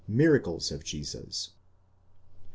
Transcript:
MIRACLES OF JESUS.